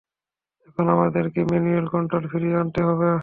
এখন আমাদেরকে manual control ফিরিয়ে আনতে হবে।